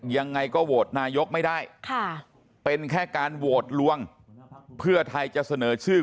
ยังไงก็โหวตนายกไม่ได้เป็นแค่การโหวตลวงเพื่อไทยจะเสนอชื่อ